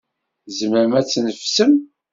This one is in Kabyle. Tzemrem ad tneffsem?